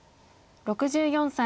６４歳。